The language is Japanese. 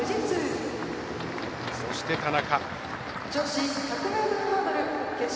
そして、田中。